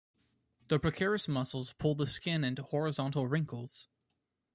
The procerus muscles pull the skin into horizontal wrinkles.